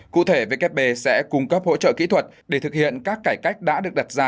cụ thể wb sẽ cung cấp hỗ trợ kỹ thuật để thực hiện các cải cách đã được đặt ra